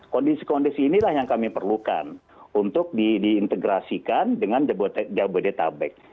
kondisi kondisi inilah yang kami perlukan untuk diintegrasikan dengan jabodetabek